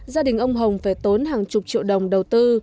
gia đình ông hồng phải tốn hàng chục triệu đồng đầu tư